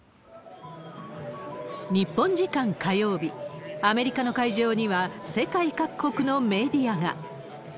日本時間火曜日、アメリカの会場には、世界各国のメディアが。